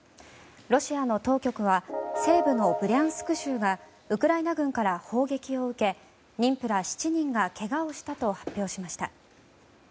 ロシアの当局は西部のブリャンスク州がウクライナ軍から砲撃を受け妊婦ら７人がけがをしたと発表しました。